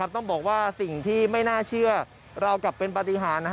ต้องบอกว่าสิ่งที่ไม่น่าเชื่อเรากลับเป็นปฏิหาร